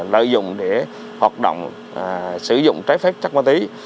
lợi dụng để hoạt động sử dụng trái phép chất ma túy